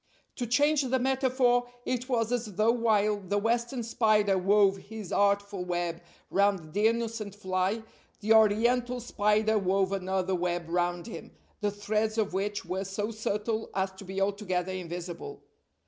To change the metaphor, it was as though while the Western spider wove his artful web round the innocent fly, the Oriental spider wove another web round him, the threads of which were so subtle as to be altogether invisible.